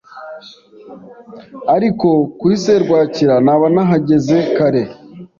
Ariko kuri serwakira, naba nahageze kare.